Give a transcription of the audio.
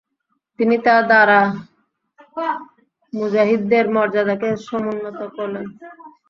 তিনি তা দ্বারা মুজাহিদদের মর্যাদাকে সমুন্নত করলেন।